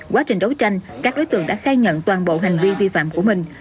quá trình đấu tranh các đối tượng đã khai nhận toàn bộ hành vi vi phạm của mình